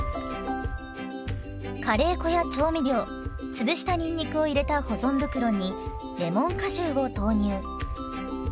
カレー粉や調味料潰したにんにくを入れた保存袋にレモン果汁を投入。